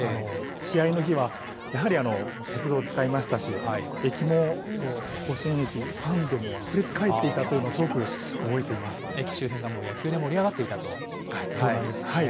試合の日は、やはり鉄道を使いましたし、駅も甲子園駅、あふれかえっていたというのをすごく覚え駅周辺が野球で盛り上がってそうなんです。